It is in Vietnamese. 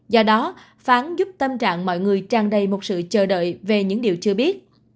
do đó phán giúp tâm trạng mọi người tràn đầy một sự chờ đợi về những điều chưa biết